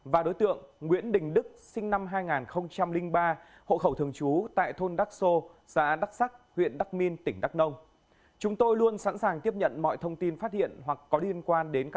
và đối tượng nguyễn đình đức sinh năm hai nghìn ba hộ khẩu thường trú tại thôn đắc sô xã đắc sắc huyện đắc minh tỉnh đắk nông